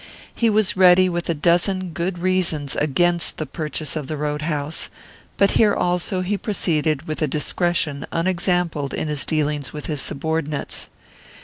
He was ready with a dozen good reasons against the purchase of the road house; but here also he proceeded with a discretion unexampled in his dealings with his subordinates.